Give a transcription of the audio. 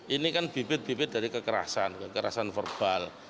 ini kan bibit bibit dari kekerasan kekerasan verbal